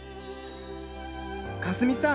かすみさん